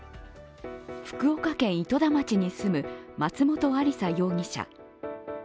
福岡県糸田町に住む松本亜里沙容疑者。